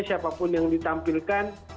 siapapun yang ditampilkan